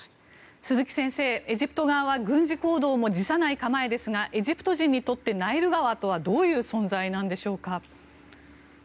鈴木先生、エジプトは軍事行動も辞さない構えですがエジプト人にとってナイル川とはどういう存在なんでしょうか。